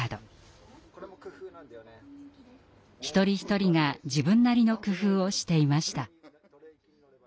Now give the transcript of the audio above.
一人一人が自分なりの工夫をしていました。